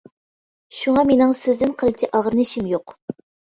شۇڭا مېنىڭ سىزدىن قىلچە ئاغرىنىشىم يوق.